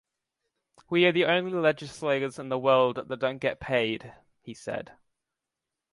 "We are the only legislators in the world that don't get paid," he said.